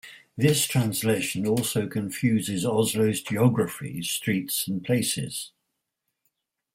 This translation also confuses Oslo's geography-streets and places.